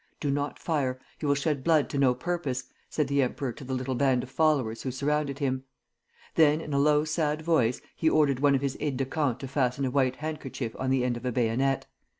"Do not fire; you will shed blood to no purpose," said the emperor to the little band of followers who surrounded him. Then, in a low, sad voice, he ordered one of his aides de camp to fasten a white handkerchief on the end of a bayonet.